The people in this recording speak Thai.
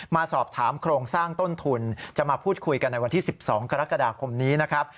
มาสอบถามโครงสร้างต้นทุนจะมาพูดคุยกันในวันที่๑๒กรกฎาคมนี้นะครับ